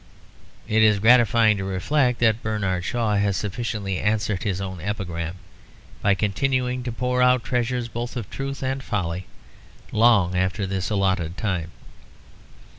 It is gratifying to reflect that Bernard Shaw has sufficiently answered his own epigram by continuing to pour out treasures both of truth and folly long after this allotted time.